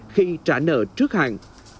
khi trả nợ trước hạn